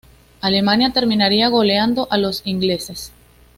Alemania terminaría goleando a los ingleses.